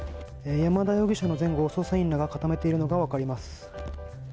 山田容疑者の前後を捜査員らが固めているのが分かります。